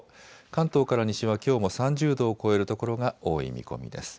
関東から西はきょうも３０度を超える所が多い見込みです。